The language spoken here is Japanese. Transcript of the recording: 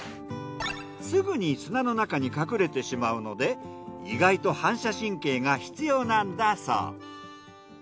すぐに砂の中に隠れてしまうので意外と反射神経が必要なんだそう。